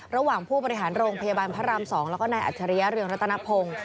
ระหว่างผู้บริหารโรงพยาบาลพระราม๒แล้วก็นายอัจฉริยะเรืองรัตนพงศ์